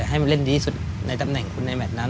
ให้มันเล่นดีที่สุดในตำแหน่งคุณในแมทนั้น